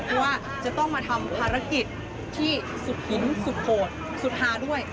เพราะว่าจะต้องมาทำภารกิจที่สุดหินสุดโหดสุดฮาด้วย